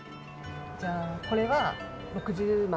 じゃあこれは６０万。